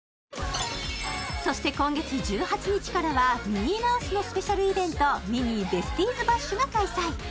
そして今月１８日からはミニーマウスのスペシャルイベント「ミニー・ベスティーズ・バッシュ！」が開催